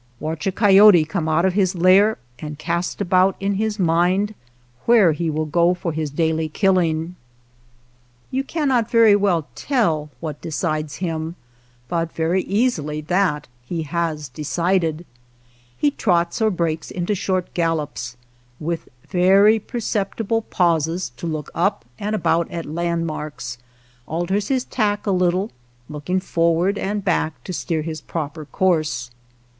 Watch a coyote come out of his lair and , cast about in his mind where he will go for his daily killing. You cannot very well tell what decides him, but very easily that he has decided. He trots or breaks into short gallops, with very perceptible pauses to look up and about at landmarks, alters his tack a little, looking forward and back to steer his proper course.